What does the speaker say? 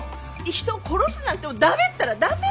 人を殺すなんて駄目ったら駄目！